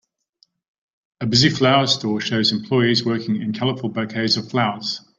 A busy flower store shows employees working and colorful bouquets of flowers.